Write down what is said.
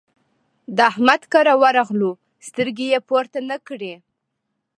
د احمد کره ورغلو؛ سترګې يې پورته نه کړې.